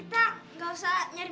pak mas sini